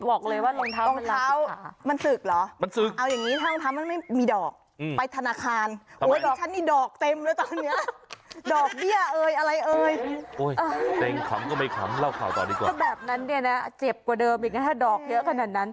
โอ้ยตัวเองขมก็ไม่ขำเราง่อยค่ะถ้าแบบนั้นเนี่ยนะเจ็บกว่าเดิมอีกนะดอกเยอะขนาดนั้น